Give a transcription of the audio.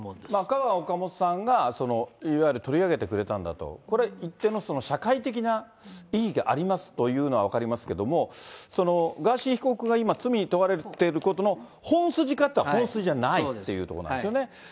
カウアン・オカモトさんがいわゆる取り上げてくれたんだと、これ、一定の社会的な意義がありますというのは分かりますけれども、ガーシー被告が今罪に問われてることの本筋かっていったら、本筋じゃないっていうとこなんですよね。